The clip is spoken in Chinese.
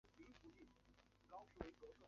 油女志乃是夕日红带领的第八队的成员。